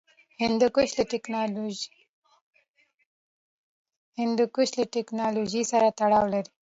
هندوکش له تکنالوژۍ سره تړاو لري.